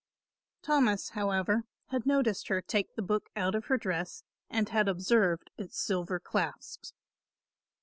Thomas, however, had noticed her take the book out of her dress and had observed its silver clasps.